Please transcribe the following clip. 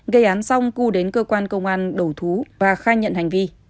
gây án xong cư đến cơ quan công an đầu thú và khai nhận hành vi